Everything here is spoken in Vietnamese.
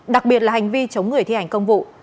đặc biệt là hành vi chống người thi hành công vụ